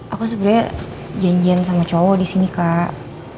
aku sebenernya janjian sama cowok disini kak